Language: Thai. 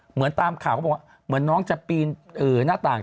เหมือนตามข่าวเขาบอกว่าเหมือนน้องจะปีนหน้าต่าง